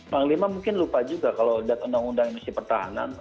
panglima mungkin lupa juga kalau lihat undang undang industri pertahanan